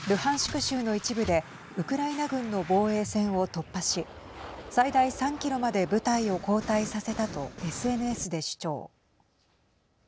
州の一部でウクライナ軍の防衛線を突破し最大３キロまで部隊を後退させたとＳＮＳで主張。